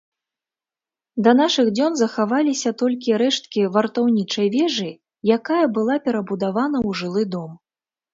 Да нашых дзён захаваліся толькі рэшткі вартаўнічай вежы, якая была перабудавана ў жылы дом.